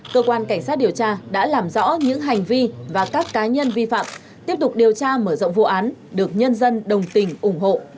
cơ quan cảnh sát điều tra đã làm rõ những hành vi và các cá nhân vi phạm tiếp tục điều tra mở rộng vụ án được nhân dân đồng tình ủng hộ